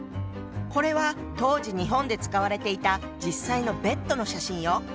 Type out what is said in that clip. これは当時日本で使われていた実際のベッドの写真よ。